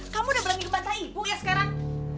kamu udah belengi ngebantai bu ya sekarang